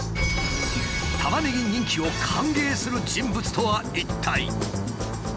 タマネギ人気を歓迎する人物とは一体。